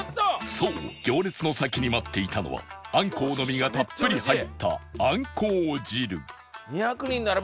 そう行列の先に待っていたのはあんこうの身がたっぷり入ったあんこう汁